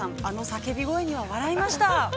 あの叫び声には、笑いました。